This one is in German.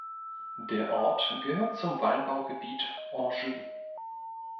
Der Ort gehört zum Weinbaugebiet Anjou.